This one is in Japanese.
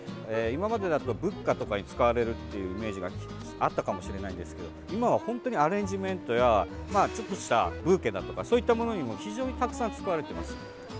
今までだと仏花とかに使われるっていうイメージがあったかもしれないんですけど今は本当にアレンジメントやちょっとしたブーケだとかそういったものにも非常にたくさん使われています。